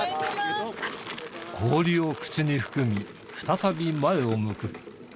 氷を口に含み、再び前を向く。